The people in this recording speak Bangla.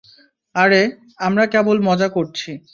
আরে, আমরা কেবল মজা করছি।